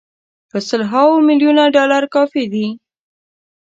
په سل هاوو میلیونه ډالر کافي دي.